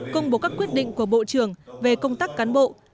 công bố các quyết định của bộ trưởng về công tác cán bộ